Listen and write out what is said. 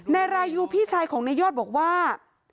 นายรายูพี่ชายของนายยอดบอกว่า